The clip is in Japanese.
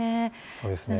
そうですね。